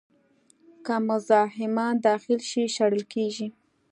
که مزاحمان داخل شي، شړل کېږي.